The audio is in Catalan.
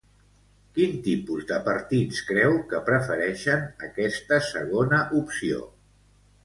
Quins tipus de partits creu que prefereixen aquesta segona opció?